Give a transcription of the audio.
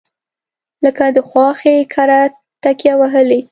لکه د خواښې کره تکیه وهلې.